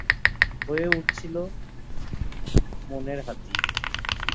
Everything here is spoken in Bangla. হয়ে উঠেছিল মনের হাতি।